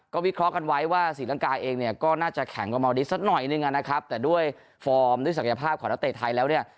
วิเคราะห์กันไว้ว่าศรีลังกาเองเนี่ยก็น่าจะแข็งกว่าเมาดีสักหน่อยนึงนะครับแต่ด้วยฟอร์มด้วยศักยภาพของนักเตะไทยแล้วเนี่ย